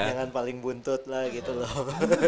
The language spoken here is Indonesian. jangan paling buntut lah gitu loh